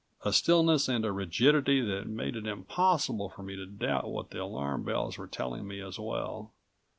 A stillness and a rigidity that made it impossible for me to doubt what the alarm bells were telling me as well.